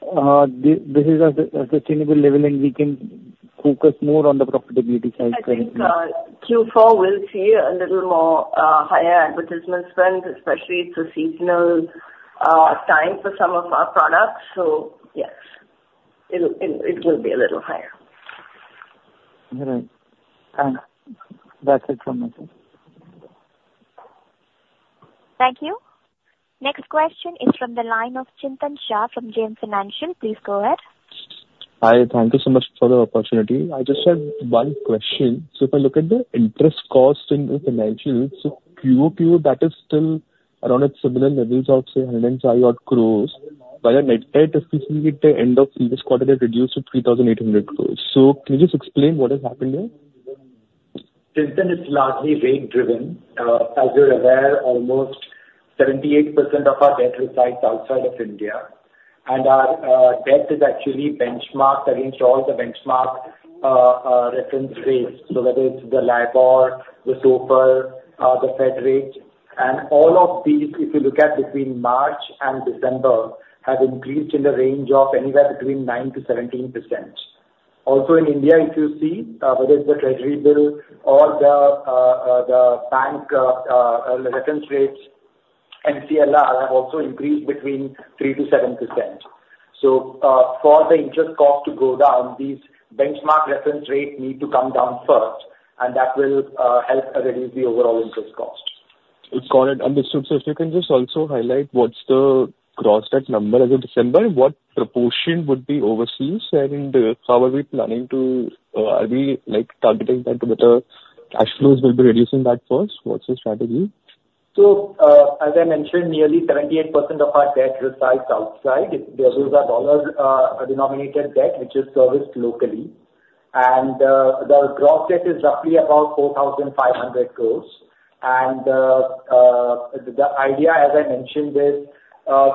or this is a sustainable level, and we can focus more on the profitability side? I think Q4 will see a little more higher advertisement spend, especially it's a seasonal time for some of our products, so yes, it will be a little higher. Right. That's it from me, sir. Thank you. Next question is from the line of Chintan Sheth from JM Financial. Please go ahead. Hi. Thank you so much for the opportunity. I just had one question. So if I look at the interest cost in the financials, so QOQ, that is still around at similar levels of, say, 105-odd crores, but the net debt at the end of previous quarter got reduced to 3,800 crores. So can you just explain what has happened there? Chintan, it's largely rate driven. As you're aware, almost 78% of our debt resides outside of India, and our debt is actually benchmarked against all the benchmark reference rates, so whether it's the LIBOR, the SOFR, the Fed rate. And all of these, if you look at between March and December, have increased in the range of anywhere between 9%-17%. Also, in India, if you see, whether it's the treasury bill or the bank reference rates, MCLR have also increased between 3%-7%. So, for the interest cost to go down, these benchmark reference rates need to come down first, and that will help reduce the overall interest cost. Got it. Understood. So if you can just also highlight what's the gross debt number as of December, what proportion would be overseas, and how are we planning to... are we, like, targeting that the better cash flows will be reducing that first? What's the strategy? So, as I mentioned, nearly 78% of our debt resides outside. The rest are dollar-denominated debt, which is serviced locally. The gross debt is roughly about 4,500 crores. The idea, as I mentioned, is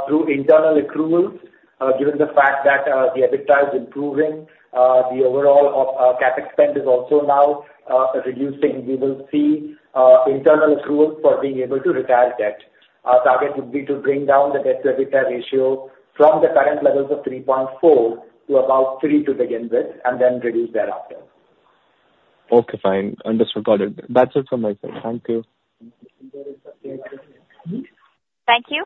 through internal accruals, given the fact that the EBITDA is improving, the overall CapEx spend is also now reducing. We will see internal accruals for being able to retire debt. Our target would be to bring down the debt-to-EBITDA ratio from the current levels of 3.4 to about 3 to begin with, and then reduce thereafter. Okay, fine. Understood. Got it. That's it from my side. Thank you. Thank you. Thank you.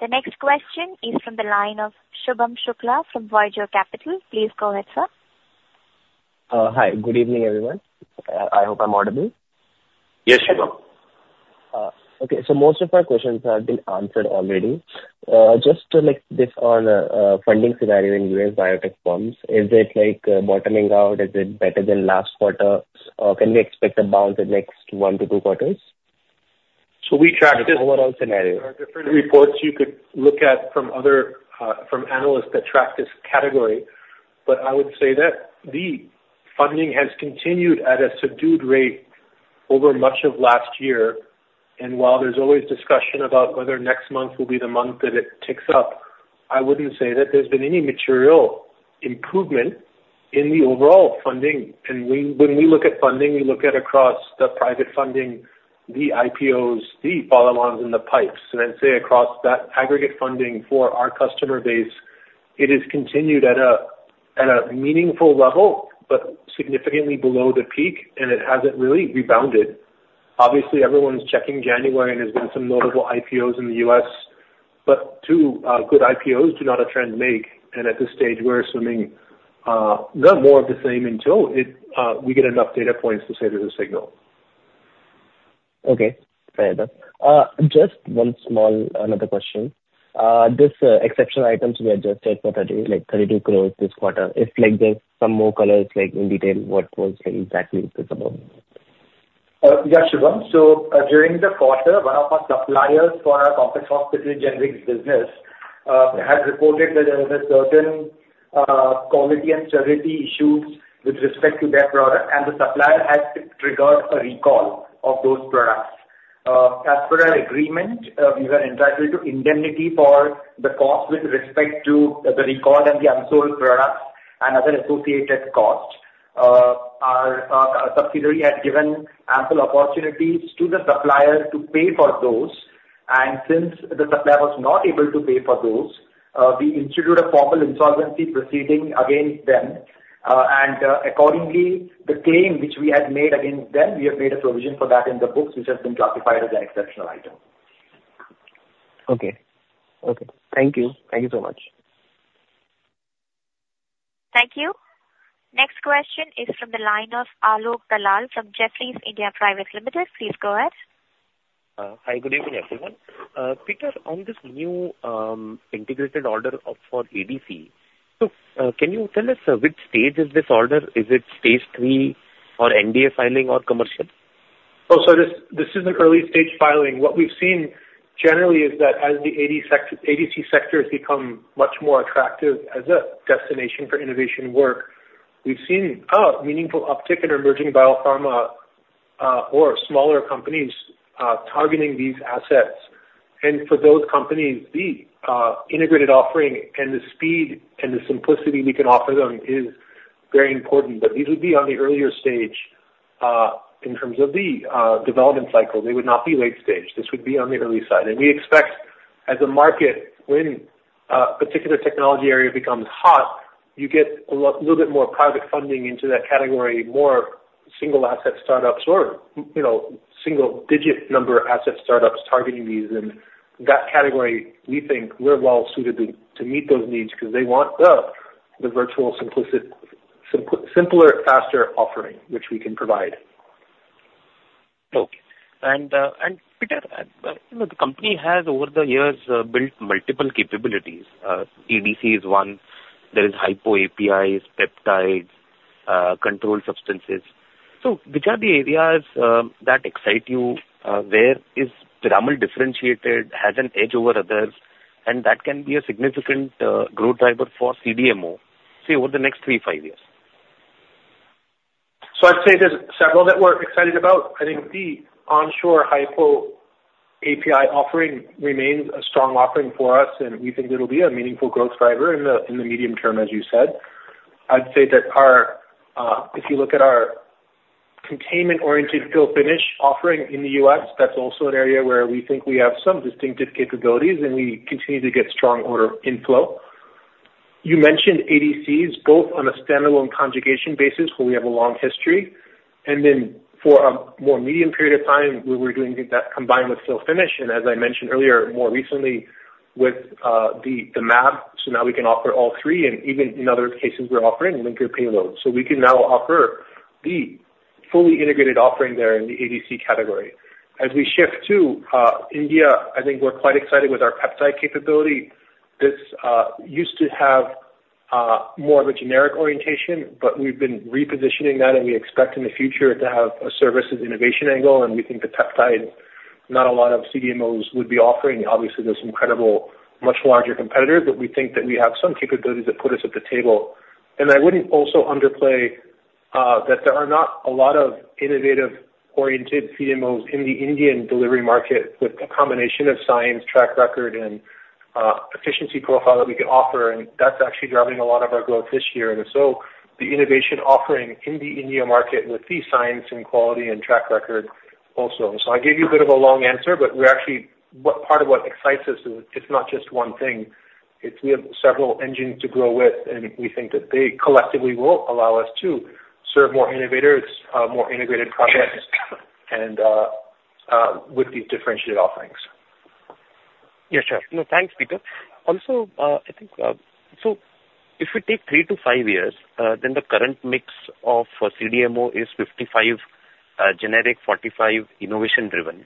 The next question is from the line of Shubham Shukla from Voyager Capital. Please go ahead, sir. Hi, good evening, everyone. I hope I'm audible? Yes, Shubham. Okay, so most of my questions have been answered already. Just to like this on, funding scenario in U.S. biotech firms, is it like, bottoming out? Is it better than last quarter, or can we expect a bounce in next one to two quarters? So we tracked it- Overall scenario. There are different reports you could look at from other from analysts that track this category. But I would say that the funding has continued at a subdued rate over much of last year, and while there's always discussion about whether next month will be the month that it ticks up, I wouldn't say that there's been any material improvement in the overall funding. And when we look at funding, we look at across the private funding, the IPOs, the follow-ons, and the pipes. And I'd say across that aggregate funding for our customer base, it has continued at a meaningful level, but significantly below the peak, and it hasn't really rebounded. Obviously, everyone's checking January, and there's been some notable IPOs in the U.S., but two good IPOs do not a trend make, and at this stage, we're assuming more of the same until we get enough data points to say there's a signal. Okay, fair enough. Just one small another question. This exceptional items we adjusted for, like, 32 crore this quarter. If, like, there's some more colors, like, in detail, what was exactly this about? Yeah, Shubham. So, during the quarter, one of our suppliers for our complex hospital generics business had reported that there was a certain quality and sterility issues with respect to their product, and the supplier had triggered a recall of those products. As per our agreement, we were entitled to indemnity for the cost with respect to the recall and the unsold products and other associated costs. Our subsidiary had given ample opportunities to the supplier to pay for those, and since the supplier was not able to pay for those, we instituted a formal insolvency proceeding against them. And, accordingly, the claim which we had made against them, we have made a provision for that in the books, which has been classified as an exceptional item. Okay. Okay, thank you. Thank you so much. Thank you. Next question is from the line of Alok Dalal from Jefferies India Private Limited. Please go ahead. Hi, good evening, everyone. Peter, on this new integrated order for ADC, so can you tell us which stage is this order? Is it stage three, or NDA filing, or commercial? Oh, so this, this is an early stage filing. What we've seen generally is that as the ADC sector has become much more attractive as a destination for innovation work, we've seen meaningful uptick in emerging biopharma or smaller companies targeting these assets. And for those companies, the integrated offering and the speed and the simplicity we can offer them is very important. But these would be on the earlier stage in terms of the development cycle. They would not be late stage. This would be on the early side. And we expect as a market, when a particular technology area becomes hot, you get a little bit more private funding into that category, more single asset startups or, you know, single digit number asset startups targeting these. That category, we think we're well suited to meet those needs, because they want the virtual, simplistic, simpler, faster offering, which we can provide. Okay. And Peter, you know, the company has, over the years, built multiple capabilities. ADC is one. There is High-Po APIs, peptides, controlled substances. So which are the areas that excite you? Where is Piramal differentiated, has an edge over others, and that can be a significant growth driver for CDMO, say, over the next 3-5-years? So I'd say there's several that we're excited about. I think the onshore High-Po API offering remains a strong offering for us, and we think it'll be a meaningful growth driver in the, in the medium term, as you said. I'd say that our, if you look at our containment-oriented fill finish offering in the U.S., that's also an area where we think we have some distinctive capabilities, and we continue to get strong order inflow. You mentioned ADCs, both on a standalone conjugation basis, where we have a long history, and then for a more medium period of time, where we're doing that combined with fill finish, and as I mentioned earlier, more recently with, the, the mAb. So now we can offer all three, and even in other cases, we're offering linker payloads. So we can now offer the fully integrated offering there in the ADC category. As we shift to India, I think we're quite excited with our peptide capability. This used to have more of a generic orientation, but we've been repositioning that, and we expect in the future to have a services innovation angle, and we think the peptide, not a lot of CDMOs would be offering. Obviously, there's some incredible, much larger competitors, but we think that we have some capabilities that put us at the table. And I wouldn't also underplay that there are not a lot of innovative-oriented CDMOs in the Indian delivery market, with a combination of science, track record, and efficiency profile that we can offer, and that's actually driving a lot of our growth this year. And so the innovation offering in the India market with the science and quality and track record also. So I gave you a bit of a long answer, but we're actually, part of what excites us is it's not just one thing. It's, we have several engines to grow with, and we think that they collectively will allow us to serve more innovators, more integrated projects and with these differentiated offerings. Yeah, sure. No, thanks, Peter. Also, I think so if we take 3-5 years, then the current mix of CDMO is 55, generic, 45 innovation driven.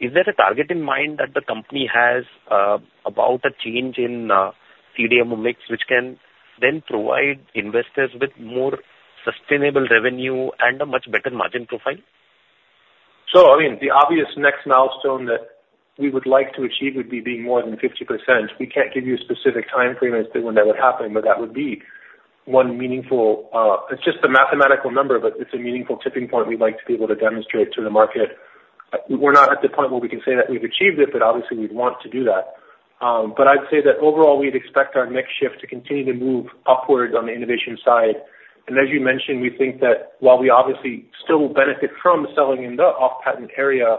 Is there a target in mind that the company has about a change in CDMO mix, which can then provide investors with more sustainable revenue and a much better margin profile? So, I mean, the obvious next milestone that we would like to achieve would be being more than 50%. We can't give you a specific time frame as to when that would happen, but that would be one meaningful, it's just a mathematical number, but it's a meaningful tipping point we'd like to be able to demonstrate to the market. We're not at the point where we can say that we've achieved it, but obviously, we'd want to do that. But I'd say that overall, we'd expect our mix shift to continue to move upwards on the innovation side. As you mentioned, we think that while we obviously still benefit from selling in the off-patent area,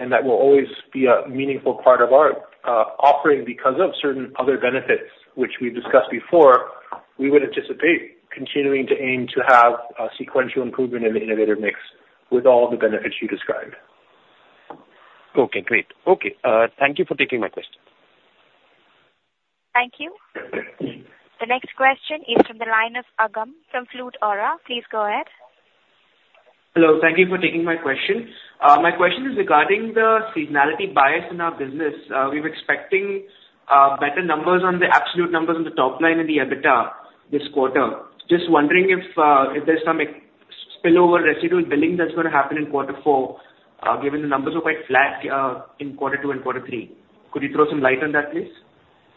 and that will always be a meaningful part of our offering because of certain other benefits, which we've discussed before, we would anticipate continuing to aim to have a sequential improvement in the innovative mix with all the benefits you described. Okay, great. Okay, thank you for taking my question. Thank you. The next question is from the line of Agam, from Plutus. Please go ahead. Hello. Thank you for taking my question. My question is regarding the seasonality bias in our business. We're expecting, better numbers on the absolute numbers on the top line and the EBITDA this quarter. Just wondering if, if there's some spillover residual billing that's going to happen in quarter four, given the numbers are quite flat, in quarter two and quarter three. Could you throw some light on that, please?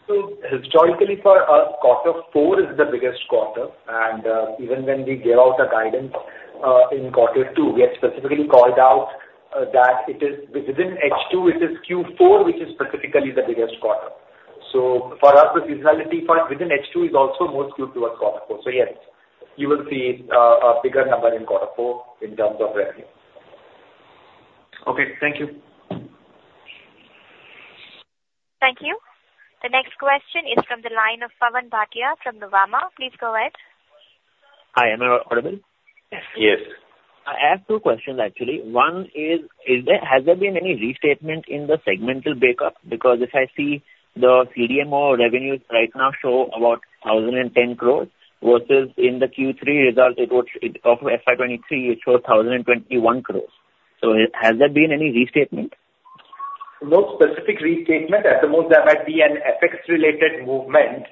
So historically, for us, quarter four is the biggest quarter. And even when we gave out a guidance in quarter two, we had specifically called out that it is within H2, it is Q4, which is specifically the biggest quarter. So for us, the seasonality for within H2 is also more skewed towards quarter four. So yes, you will see a bigger number in quarter four in terms of revenue. Okay, thank you. Thank you. The next question is from the line of Pawan Bhatia from Nova. Please go ahead. Hi, am I audible? Yes. I have two questions, actually. One is, is there, has there been any restatement in the segmental breakup? Because if I see the CDMO revenues right now show about 1,010 crore, versus in the Q3 result, it was, of FY 2023, it shows 1,021 crore. So has there been any restatement? No specific restatement. At the most, there might be an FX-related movement.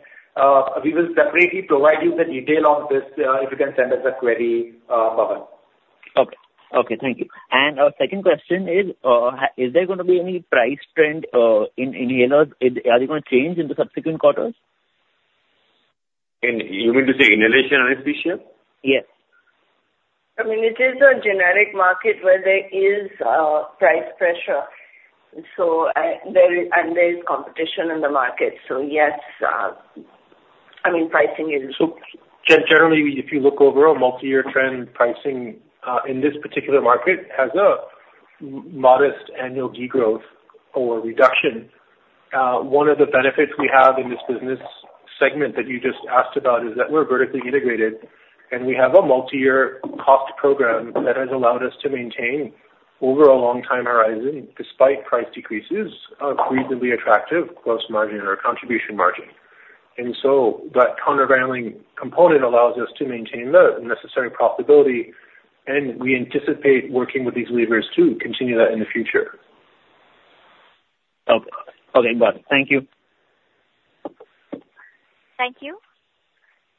We will separately provide you the detail of this, if you can send us a query, Pawan. Okay. Okay, thank you. And our second question is, is there going to be any price trend in inhalers? Are they going to change in the subsequent quarters? You mean to say inhalation anesthesia? Yes. I mean, it is a generic market where there is price pressure, so there is competition in the market. So yes, I mean, pricing is- Generally, if you look over a multi-year trend, pricing in this particular market has a modest annual degrowth or reduction. One of the benefits we have in this business segment that you just asked about is that we're vertically integrated, and we have a multi-year cost program that has allowed us to maintain, over a long time horizon, despite price decreases, a reasonably attractive gross margin or contribution margin. And so that counterbalancing component allows us to maintain the necessary profitability, and we anticipate working with these levers to continue that in the future. Okay, got it. Thank you. Thank you.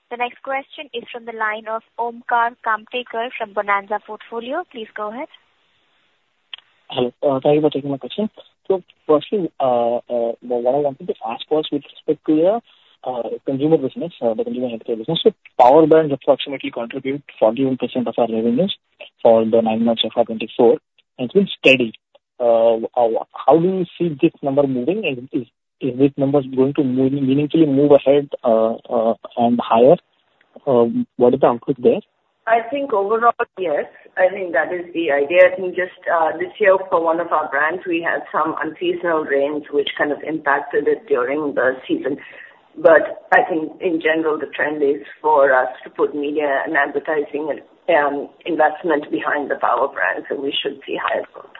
The next question is from the line of Omkar Kamtekar from Bonanza Portfolio. Please go ahead. Hello, thank you for taking my question. So firstly, what I wanted to ask was with respect to your consumer business, the consumer business, so power brands approximately contribute 41% of our revenues for the nine months of our 2024, and it's been steady. How do you see this number moving, and is this number going to move meaningfully ahead, and higher? What are the outputs there? I think overall, yes, I think that is the idea. I think just, this year for one of our brands, we had some unseasonal rains which kind of impacted it during the season. But I think in general, the trend is for us to put media and advertising and, investment behind the power brands, and we should see higher growth.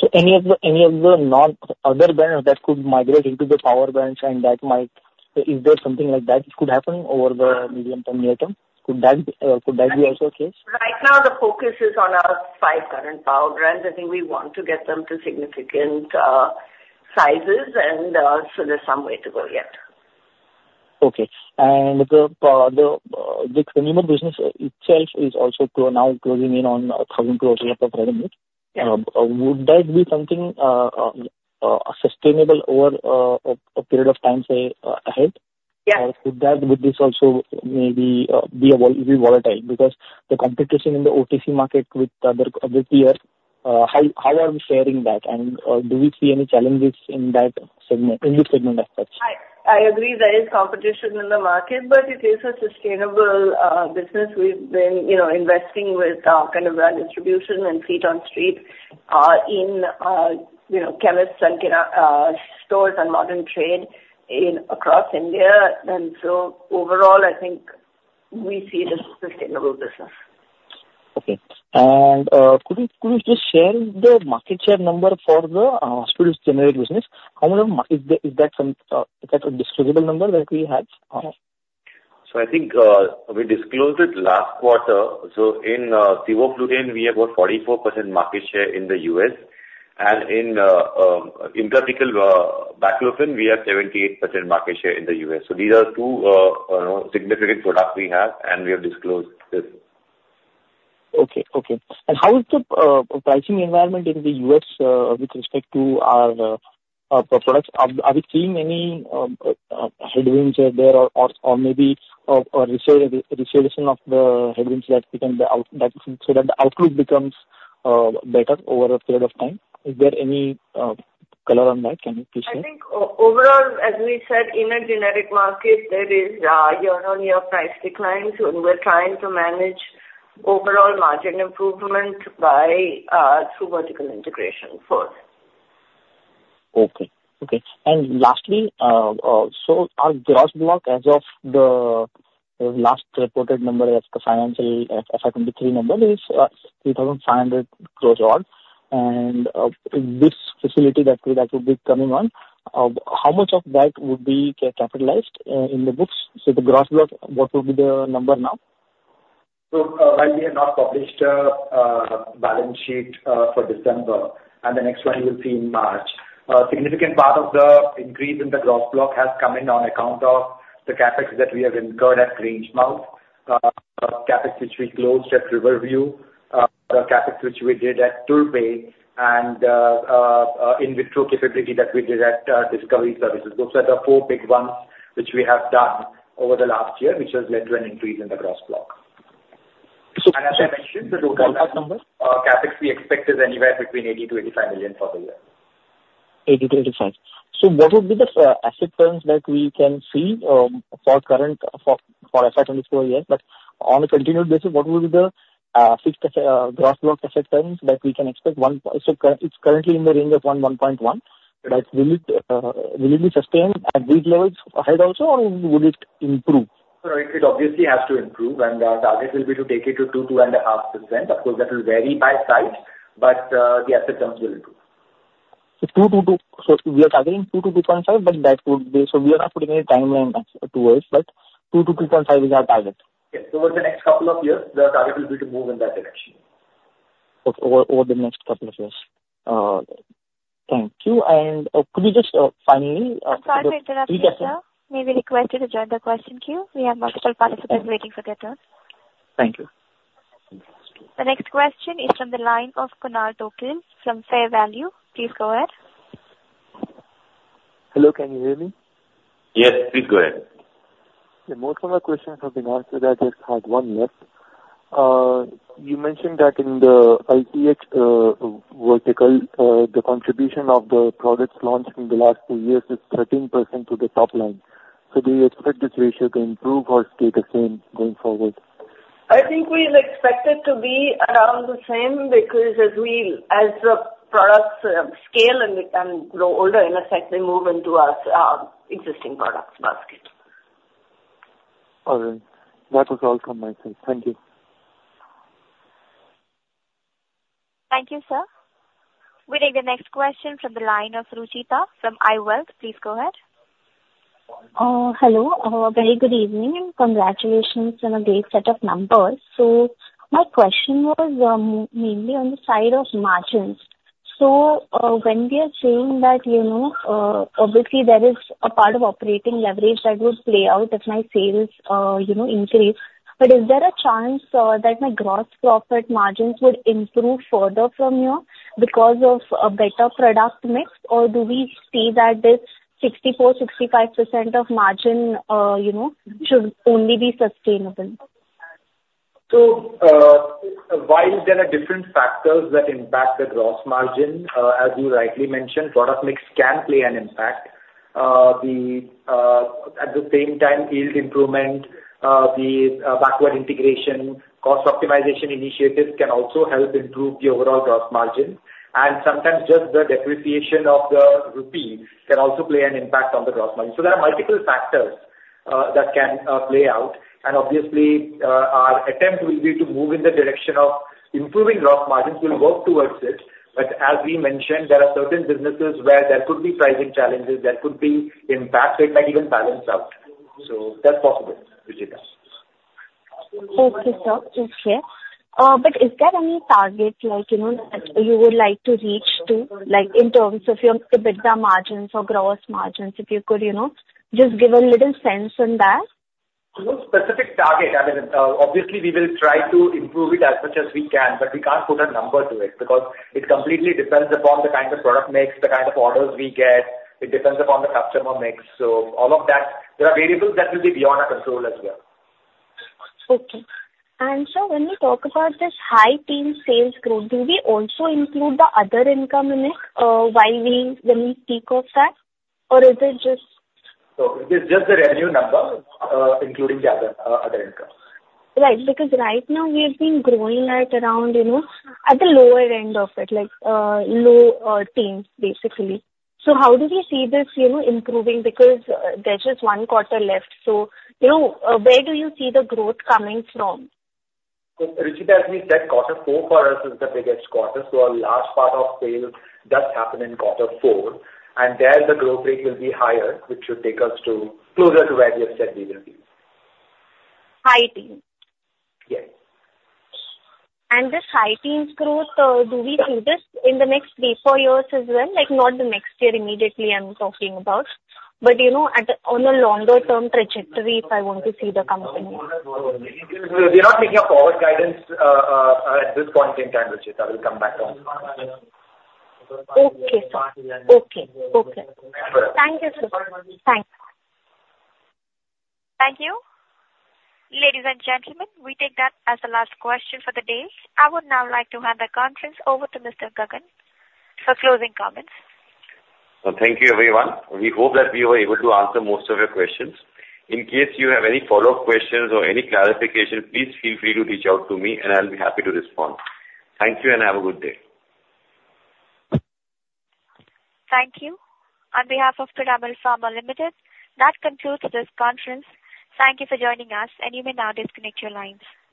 So any of the non-other brands that could migrate into the power brands and that might... Is there something like that could happen over the medium term, near term? Could that be also a case? Right now, the focus is on our five current power brands. I think we want to get them to significant sizes, and so there's some way to go yet. Okay. And the consumer business itself is also now closing in on 1,000 crore of revenues. Yeah. Would that be something sustainable over a period of time, say, ahead? Yes. Or could that, would this also maybe be volatile? Because the competition in the OTC market with other peers, how are we faring? And do we see any challenges in that segment, in this segment as such? I agree there is competition in the market, but it is a sustainable business. We've been, you know, investing with kind of our distribution and feet on street.... in, you know, chemists and, you know, stores and modern trade in across India. And so overall, I think we see it as a sustainable business. Okay. And, could you, could you just share the market share number for the, sterile generics business? How much of is the, is that some, is that a disclosable number that we have? I think we disclosed it last quarter. In Sevoflurane, we have got 44% market share in the U.S., and in intrathecal baclofen, we have 78% market share in the U.S. These are two, you know, significant products we have, and we have disclosed this. Okay, okay. How is the pricing environment in the U.S. with respect to our products? Are we seeing any headwinds there or maybe resolution of the headwinds that we can be out of so that the outlook becomes better over a period of time? Is there any color on that? Can you please share? I think overall, as we said, in a generic market, there is year-on-year price declines, and we're trying to manage overall margin improvement by through vertical integration for it. Okay, okay. And lastly, so our gross block as of the last reported number as the financial, FY 2023 number is, 3,500 crore odd. And, this facility that will actually be coming on, how much of that would be capitalized, in the books? So the gross block, what will be the number now? So, while we have not published a balance sheet for December, and the next one you will see in March, a significant part of the increase in the gross block has come in on account of the CapEx that we have incurred at Grangemouth, CapEx which we closed at Riverview, the CapEx which we did at Turbhe, and in vitro capability that we did at Discovery Services. Those are the four big ones which we have done over the last year, which has led to an increase in the gross block. So- As I mentioned, the total- CapEx number. CapEx we expect is anywhere between $80 million-$85 million for the year. 80-85. So what would be the asset turns that we can see for current, for FY 2024 year? But on a continued basis, what will be the fixed gross asset turns that we can expect one... So it's currently in the range of 1-1.1, but will it be sustained at these levels ahead also, or would it improve? No, it obviously has to improve, and the target will be to take it to 2%-2.5%. Of course, that will vary by size, but the asset terms will improve. We are targeting 2-2.5, but that would be. We are not putting any timeline towards, but 2-2.5 is our target. Yes. Over the next couple of years, the target will be to move in that direction. Over the next couple of years. Thank you. Could you just finally I'm sorry to interrupt you, sir. May we request you to join the question queue? We have multiple participants waiting for their turn. Thank you. The next question is from the line of Kunal Tokial from Fair Value. Please go ahead. Hello, can you hear me? Yes, please go ahead. Yeah, most of my questions have been answered. I just had one left. You mentioned that in the ICH vertical, the contribution of the products launched in the last two years is 13% to the top line. So do you expect this ratio to improve or stay the same going forward? I think we expect it to be around the same, because as we, as the products, scale and, and grow older, in a sense, they move into our, existing products basket. All right. That was all from my side. Thank you. Thank you, sir. We take the next question from the line of Ruchita from iWealth. Please go ahead. Hello. Very good evening. Congratulations on a great set of numbers. So my question was mainly on the side of margins. So, when we are saying that, you know, obviously there is a part of operating leverage that would play out if my sales, you know, increase. But is there a chance that my gross profit margins would improve further from here because of a better product mix? Or do we stay that this 64%-65% of margin, you know, should only be sustainable? So, while there are different factors that impact the gross margin, as you rightly mentioned, product mix can play an impact. At the same time, yield improvement, backward integration, cost optimization initiatives can also help improve the overall gross margin. And sometimes just the depreciation of the rupee can also play an impact on the gross margin. So there are multiple factors that can play out, and obviously, our attempt will be to move in the direction of improving gross margins. We'll work towards it, but as we mentioned, there are certain businesses where there could be pricing challenges, there could be impact, it might even balance out. So that's possible, Ruchita. Okay, sir. Okay. But is there any target like, you know, that you would like to reach to, like, in terms of your EBITDA margins or gross margins, if you could, you know, just give a little sense on that? No specific target. I mean, obviously, we will try to improve it as much as we can, but we can't put a number to it, because it completely depends upon the kind of product mix, the kind of orders we get. It depends upon the customer mix. So all of that, there are variables that will be beyond our control as well. Okay. And sir, when we talk about this high teen sales growth, do we also include the other income in it, when we speak of that, or is it just- It's just the revenue number, including the other, other income. Right. Because right now we've been growing at around, you know, at the lower end of it, like, low teens, basically. So how do we see this, you know, improving? Because, there's just one quarter left. So, you know, where do you see the growth coming from? Ruchita, as we said, quarter four for us is the biggest quarter. A large part of sales does happen in quarter four, and there, the growth rate will be higher, which should take us to closer to where we have said we will be. High teens? Yes. This high teens growth, do we see this in the next 3, 4 years as well? Like, not the next year immediately I'm talking about, but, you know, on a longer term trajectory, if I want to see the company? We're not making a forward guidance, at this point in time, Ruchita. We'll come back on that. Okay, sir. Okay. Okay. Sure. Thank you, sir. Thanks. Thank you. Ladies and gentlemen, we take that as the last question for the day. I would now like to hand the conference over to Mr. Gagan for closing comments. Thank you, everyone. We hope that we were able to answer most of your questions. In case you have any follow-up questions or any clarifications, please feel free to reach out to me, and I'll be happy to respond. Thank you, and have a good day. Thank you. On behalf of Piramal Pharma Limited, that concludes this conference. Thank you for joining us, and you may now disconnect your lines.